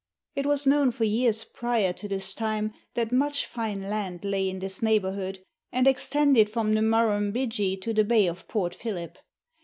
It was known for years prior to this time that much fine land lay in this neighbourhood, and extended from the Murrumbidgee to the Bay of Port Phillip.